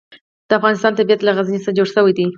د افغانستان طبیعت له غزني څخه جوړ شوی دی.